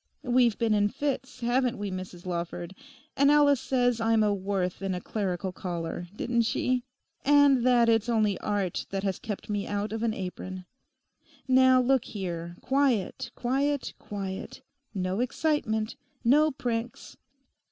We've been in fits, haven't we, Mrs Lawford? And Alice says I'm a Worth in a clerical collar—didn't she? And that it's only Art that has kept me out of an apron. Now look here; quiet, quiet, quiet; no excitement, no pranks.